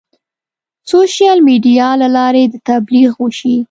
سوشیل میډیا له لارې د تبلیغ وشي.